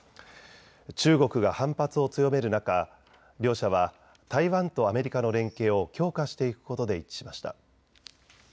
中国が反発を強める中、両者は台湾とアメリカの連携を強化していくことで一致しました。